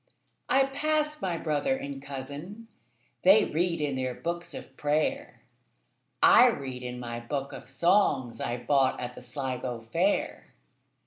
I passed my brother and cousin:They read in their books of prayer;I read in my book of songsI bought at the Sligo fair.